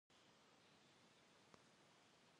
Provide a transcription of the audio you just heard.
Ts'ıxum zexuemıdeu khağesebep ş'ıgum yi têplhe zexuemıdexer.